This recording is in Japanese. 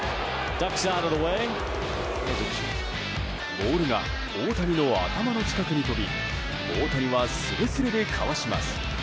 ボールが大谷の頭の近くに飛び大谷はすれすれでかわします。